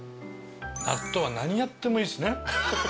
納豆は何やってもいいっすね。